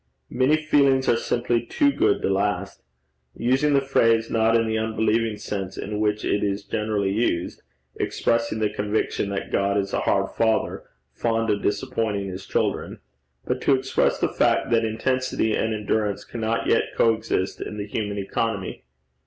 Many feelings are simply too good to last using the phrase not in the unbelieving sense in which it is generally used, expressing the conviction that God is a hard father, fond of disappointing his children, but to express the fact that intensity and endurance cannot yet coexist in the human economy.